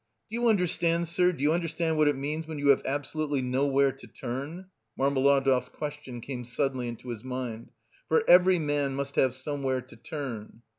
"Do you understand, sir, do you understand what it means when you have absolutely nowhere to turn?" Marmeladov's question came suddenly into his mind, "for every man must have somewhere to turn...."